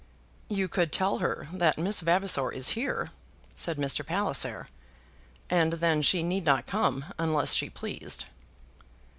"You could tell her that Miss Vavasor is here," said Mr. Palliser. "And then she need not come unless she pleased."